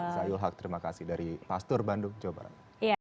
saya zahil haq terima kasih dari pasteur bandung jawa barat